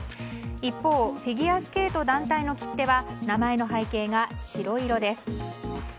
一方、フィギュアスケート団体の切手は名前の背景が白色です。